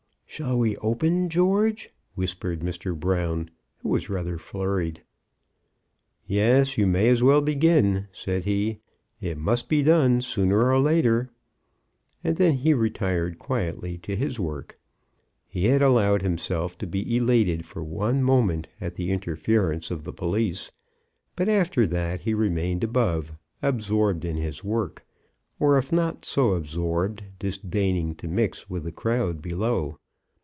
"Shall we open, George?" whispered Mr. Brown, who was rather flurried. "Yes; you may as well begin," said he. "It must be done sooner or later." And then he retired quietly to his work. He had allowed himself to be elated for one moment at the interference of the police, but after that he remained above, absorbed in his work; or if not so absorbed, disdaining to mix with the crowd below.